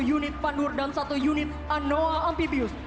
satu unit pandur dan satu unit anoa ampibius